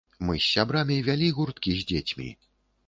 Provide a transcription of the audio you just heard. Мы з сябрамі вялі гурткі з дзецьмі.